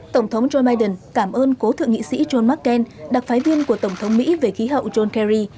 tổng thống joe biden cảm ơn cố thượng nghị sĩ john mccain đặc phái viên của tổng thống mỹ về khí hậu john kerry